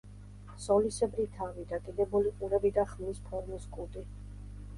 სოლისებრი თავი, დაკიდებული ყურები და ხმლის ფორმის კუდი.